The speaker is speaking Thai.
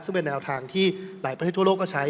ซึ่งเป็นแนวทางที่หลายประเทศทั่วโลกก็ใช้